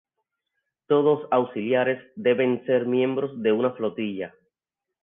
Todos Auxiliares deben ser miembros de una Flotilla.